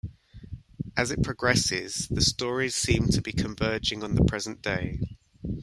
As it progresses, the stories seemed to be converging on the present day.